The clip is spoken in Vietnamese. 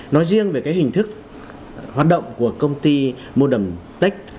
nói riêng về cái hình thức hoạt động của công ty modern tech